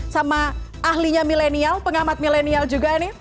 sama ahlinya milenial pengamat milenial juga nih